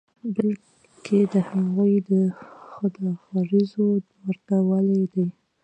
بلکې د هغوی د خود غرضیو ورته والی دی.